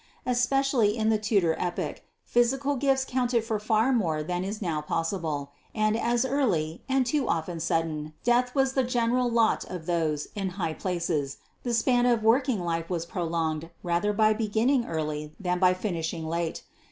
Especially in the Tudor epoch physical gifts counted for far more than is now possible; and as early (and too often sudden) death was the general lot of those in high places, the span of working life was prolonged rather by beginning early than by finishing late.